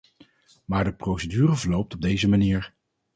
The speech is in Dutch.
Maar de procedure verloopt op deze manier.